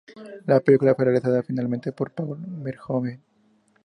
La película fue realizada finalmente por Paul Verhoeven.